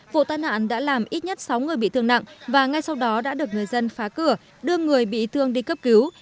vụ tai nạn đã làm ít nhất sáu người bị thương nặng và ngay sau đó đã được người dân phá cửa đưa người bị thương đi cấp cứu